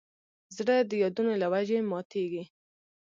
زړه د یادونو له وجې ماتېږي.